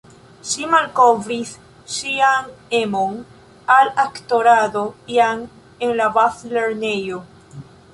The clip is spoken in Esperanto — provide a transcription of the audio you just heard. Ŝi malkovris ŝian emon al aktorado jam en la bazlernejo.